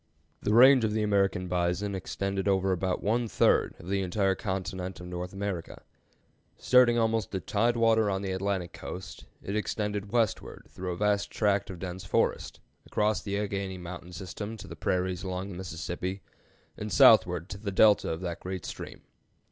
The range of the American bison extended over about one third of the entire continent of North America. Starting almost at tide water on the Atlantic coast, it extended westward through a vast tract of dense forest, across the Alleghany Mountain system to the prairies along the Mississippi, and southward to the Delta of that great stream.